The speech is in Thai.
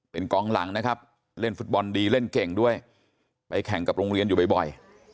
เป็นกองหลังนะครับเล่นฟุตบอลดีเล่นเก่งด้วยไปแข่งกับโรงเรียนอยู่บ่อย